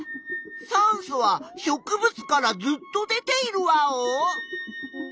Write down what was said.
酸素は植物からずっと出ているワオ？